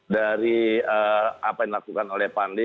dari apa yang dilakukan oleh panli